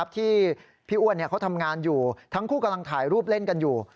ที่พี่อ้วนเขาทำงานอยู่ทั้งคู่กำลังถ่ายรูปเล่นกันอยู่